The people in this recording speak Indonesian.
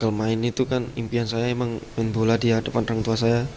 kalau main itu kan impian saya emang main bola di hadapan orang tua saya